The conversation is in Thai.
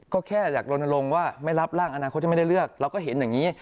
ก็แค่อยากลนลงว่าไม่รับร่างอนาคตที่ไม่ได้เลือกเราก็เห็นอย่างนี้